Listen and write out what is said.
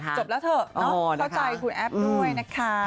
จบแล้วเถอะเข้าใจคุณแอฟด้วยนะคะ